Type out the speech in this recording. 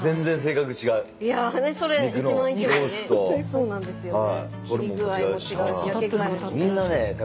そうなんですよね。